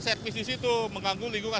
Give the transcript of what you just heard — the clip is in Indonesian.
service di situ mengganggu lingkungan